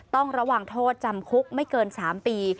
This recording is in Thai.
ต้องระวังโทษจำคุกไม่เกิน๓ปี